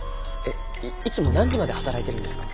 いつも何時まで働いているんですか？